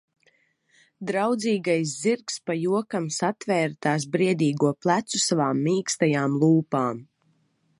Draudzīgais zirgs pa jokam satvēra tās briedīgo plecu savām mīkstajām lūpām.